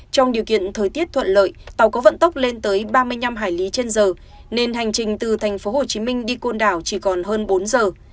trong điều kiện thời tiết thuận lợi tàu có vận tốc lên tới ba mươi năm hải lý trên giờ nên hành trình từ tp hcm đi côn đảo chỉ còn hơn bốn giờ